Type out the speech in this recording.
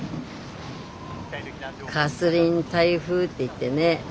カスリーン台風っていってね